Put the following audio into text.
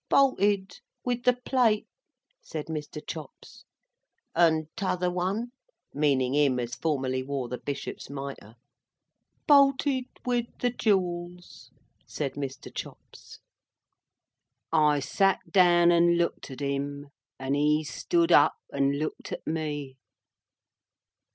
"Bolted. With the plate," said Mr. Chops. "And t'other one?" meaning him as formerly wore the bishop's mitre. "Bolted. With the jewels," said Mr. Chops. I sat down and looked at him, and he stood up and looked at me.